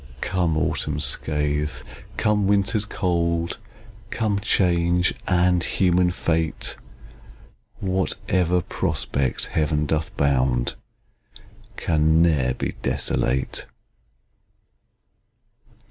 Come autumn's scathe, come winter's cold, Come change, and human fate! Whatever prospect Heaven doth bound, Can ne'er be desolate.